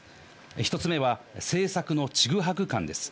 １つ目は政策のちぐはぐ感です。